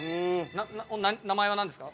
名前はなんですか？」